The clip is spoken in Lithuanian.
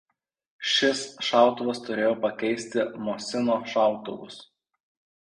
Šis šautuvas turėjo pakeisti Mosino šautuvus.